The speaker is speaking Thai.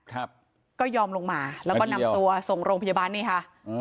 ครับก็ยอมลงมาแล้วก็นำตัวส่งโรงพยาบาลนี่ค่ะอืม